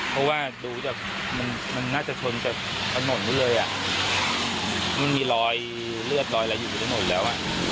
เพราะว่าดูมันน่าจะชนจากถนนไปเลยมันมีรอยเลือดรอยอะไรอยู่ทั้งหมดแล้ว